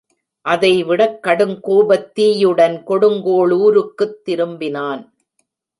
அதைவிடக் கடுங்கோபத்தீயுடன் கொடுங்கோளுருக்குத் திரும்பினான்.